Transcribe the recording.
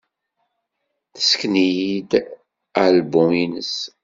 Tessken-iyi-d album-nnes.